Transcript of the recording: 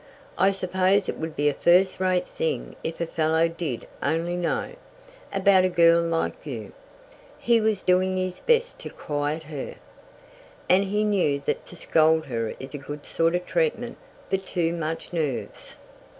"I suppose it would be a first rate thing if a fellow did only know about a girl like you." He was doing his best to quiet her, and he knew that to scold is a good sort of treatment for too much nerves.